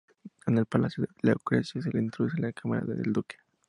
En el palacio, a Lucrecia se le introduce en la cámara del duque.